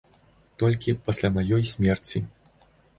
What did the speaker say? Толькі пасля маёй смерці.